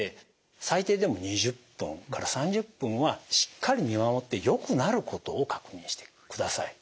最低でも２０分から３０分はしっかり見守ってよくなることを確認してください。